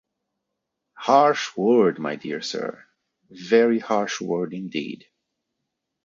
Harsh word, my dear sir, very harsh word indeed.